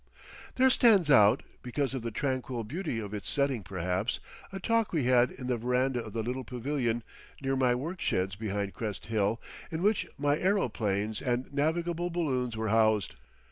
There stands out—because of the tranquil beauty of its setting perhaps—a talk we had in the veranda of the little pavilion near my worksheds behind Crest Hill in which my aeroplanes and navigable balloons were housed.